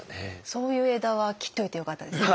そういう枝は切っといてよかったですね。